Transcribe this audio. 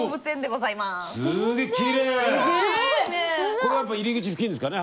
これやっぱ入り口付近ですかね。